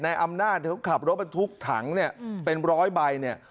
อำนาจเขาขับรถบรรทุกถังเนี่ยเป็นร้อยใบเนี่ย